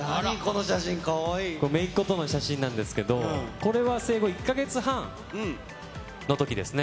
これ、めいっ子との写真なんですけれども、これは生後１か月半のときですね。